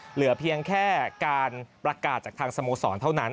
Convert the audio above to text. เหลือเพียงแค่การประกาศจากทางสโมสรเท่านั้น